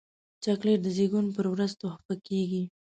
چاکلېټ د زیږون پر ورځ تحفه کېږي.